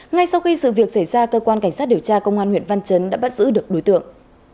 ngay sau khi sự việc xảy ra cơ quan cảnh sát điều tra công an huyện văn chấn đã bắt giữ được đối tượng